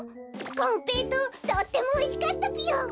こんぺいとうとってもおいしかったぴよ。